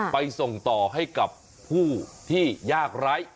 ไปส่งต่อให้กับผู้ที่ยากไร้